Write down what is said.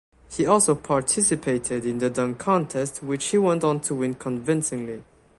He also participated in the dunk contest which he went on to win convincingly.